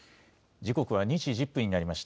時刻は２時１０分になりました。